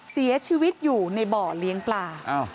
เสียชีวิตอยู่ในบ่อเลี้ยงปลา